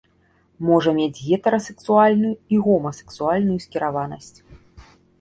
Можа мець гетэрасексуальную і гомасексуальную скіраванасць.